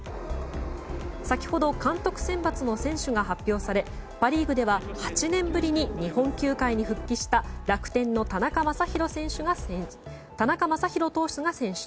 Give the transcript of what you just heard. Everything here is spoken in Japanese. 先ほど監督選抜の選手が発表されパ・リーグでは８年ぶりに日本球界に復帰した楽天の田中将大投手が選出。